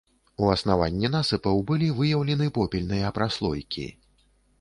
У аснаванні насыпаў былі выяўлены попельныя праслойкі.